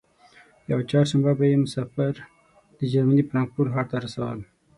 یوه چهارشنبه به یې مسافر د جرمني فرانکفورت ښار ته رسول.